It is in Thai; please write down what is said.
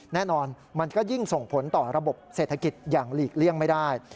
แน่นอนมันก็ยิ่งส่งผลต่อระบบเศรษฐกิจอย่างหลีกเลี่ยงไม่ได้